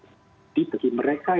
jadi bagi mereka yang